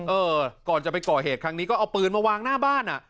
เออก่อนจะไปก่อเหตุครั้งนี้ก็เอาปืนมาวางหน้าบ้านอ่ะ